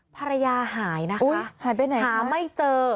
ภรรยาหายนะคะหายไปไหนคะหายไปไหนคะหาไม่เจอ